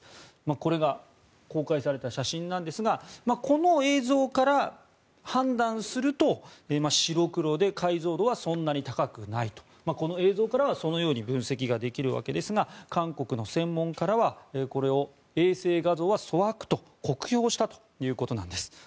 これが公開された写真ですがこの映像から判断すると白黒で解像度はそんなに高くないとこの映像からはそのように分析できるわけですが韓国の専門家らはこれを衛星画像は粗悪と酷評したということです。